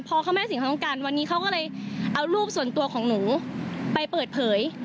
พอเขาแม่สินเขาต้องการวันนี้เขาก็เลยเอารูปส่วนตัวของหนูไปเปิดเผย